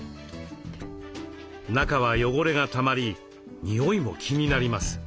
中は汚れがたまりにおいも気になります。